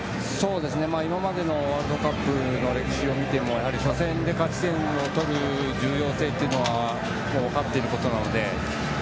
今までのワールドカップの歴史を見ても初戦で勝ち点を取る重要性は分かっていることなので。